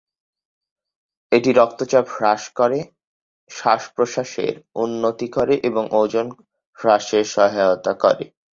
এটি রক্তচাপ হ্রাস করে, শ্বাস প্রশ্বাসের উন্নতি করে এবং ওজন হ্রাসে সহায়তা করে।